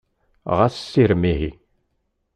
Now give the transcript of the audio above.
Xas sirem ihi!